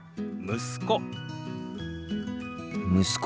息子。